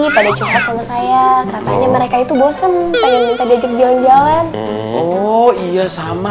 pada curhat sama saya katanya mereka itu bosen pengen minta diajak jalan jalan oh iya sama